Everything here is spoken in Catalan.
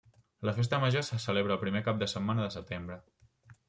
La Festa Major se celebra el primer cap de setmana de setembre.